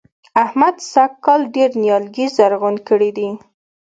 احمد سږ کال ډېر نيالګي زرغون کړي دي.